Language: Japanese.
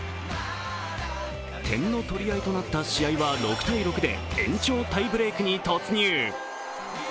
点の取り合いとなった試合は６−６で延長タイブレークに突入。